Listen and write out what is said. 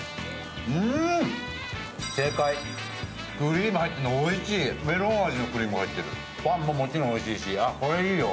クリーム入ってるのおいしいメロン味のクリームが入ってるパンももちろんおいしいし、これいいよ。